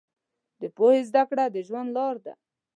د پوهې زده کړه د ژوند لار ده.